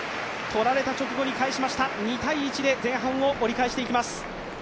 とられた直後に返しました２−１で前半を折り返していきます。